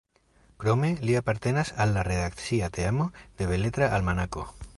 Krome, li apartenas al la redakcia teamo de Beletra Almanako.